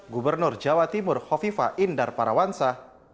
gubernur jawa timur hovifa indar parawansa